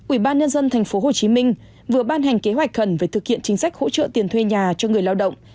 ubnd tp hcm vừa ban hành kế hoạch khẩn về thực hiện chính sách hỗ trợ tiền thuê nhà cho người lao động